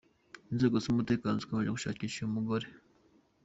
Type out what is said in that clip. Inzego z’umutekano zikomeje gushakisha uyu mugore.